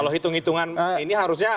kalau hitung hitungan ini harusnya